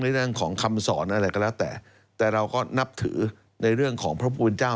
เรื่องของคำสอนอะไรก็แล้วแต่แต่เราก็นับถือในเรื่องของพระพุทธเจ้า